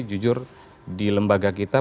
jujur di lembaga kita